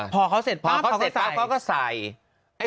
พอเขาเสร็จปั๊บเขาก็ใส่